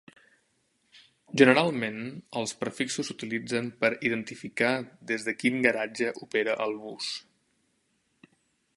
Generalment, els prefixos s'utilitzen per identificar des de quin garatge opera el bus.